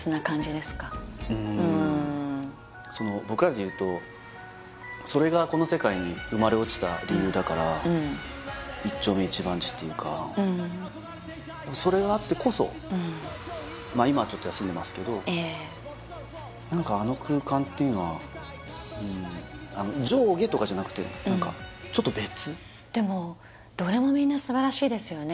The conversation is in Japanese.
うーんその僕らでいうとそれがだから一丁目一番地っていうかそれがあってこそ今はちょっと休んでますけど何かあの空間っていうのは上下とかじゃなくて何かちょっと別でもどれもみんな素晴らしいですよね